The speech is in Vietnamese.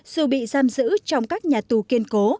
dù bị giam giữ trong các nhà tù kiên cố